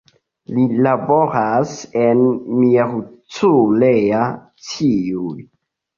Li laboras en Miercurea Ciuc.